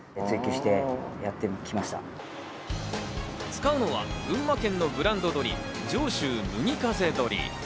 使うのは群馬県のブランド鶏、上州麦風鶏。